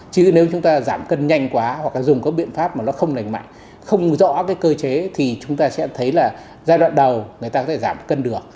chứ nếu chúng ta giảm cân nhanh quá hoặc là dùng các biện pháp mà nó không lành mạnh không rõ cái cơ chế thì chúng ta sẽ thấy là giai đoạn đầu người ta có thể giảm cân được